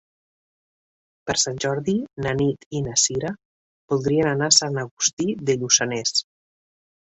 Per Sant Jordi na Nit i na Sira voldrien anar a Sant Agustí de Lluçanès.